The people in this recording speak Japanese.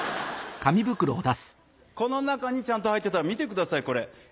この中にちゃんと入ってたら見てくださいこれ。